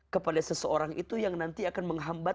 kepada seseorang itu yang nanti akan menghambat